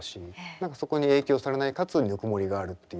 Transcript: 何かそこに影響されないかつぬくもりがあるっていう。